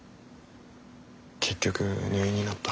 結局入院になった。